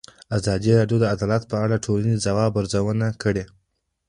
ازادي راډیو د عدالت په اړه د ټولنې د ځواب ارزونه کړې.